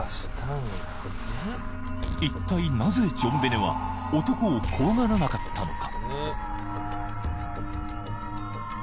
一体なぜジョンベネは男を怖がらなかったのか？